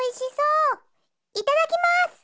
いただきます！